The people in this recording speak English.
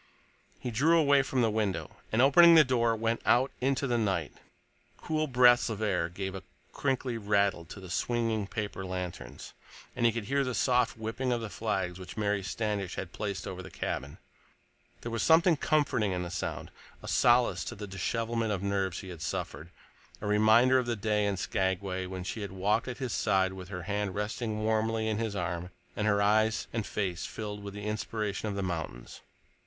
He drew away from the window and, opening the door, went out into the night. Cool breaths of air gave a crinkly rattle to the swinging paper lanterns, and he could hear the soft whipping of the flags which Mary Standish had placed over his cabin. There was something comforting in the sound, a solace to the dishevelment of nerves he had suffered, a reminder of their day in Skagway when she had walked at his side with her hand resting warmly in his arm and her eyes and face filled with the inspiration of the mountains.